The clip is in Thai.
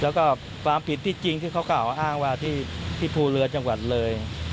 แล้วก็ความผิดที่จริงที่เขากล่าวอ้างว่าที่ภูเรือจังหวัดเลย